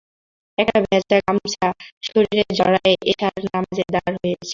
একটা ভেজা গামছা শরীরে জড়ায়ে এশার নামাজে দাঁড় হয়েছি।